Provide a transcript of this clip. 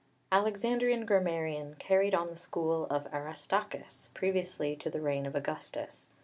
Alexandrian grammarian, carried on the school of Aristarchus previously to the reign of Augustus.